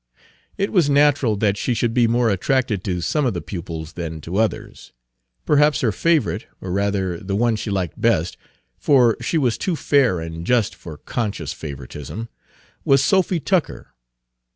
It was natural that she should be more attracted to some of her pupils than to others. Perhaps her favorite or, rather, the one she liked best, for she was too fair and just for conscious favoritism was Sophy Tucker.